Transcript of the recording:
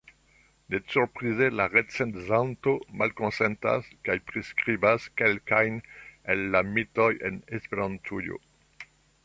Ne surprize, la recenzanto malkonsentas, kaj priskribas kelkajn el la mitoj en Esperantujo.